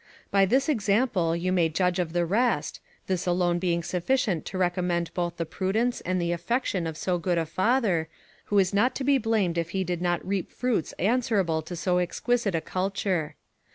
By this example you may judge of the rest, this alone being sufficient to recommend both the prudence and the affection of so good a father, who is not to be blamed if he did not reap fruits answerable to so exquisite a culture.